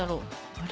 あれ？